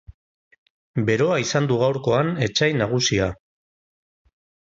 Beroa izan du gaurkoan etsai nagusia.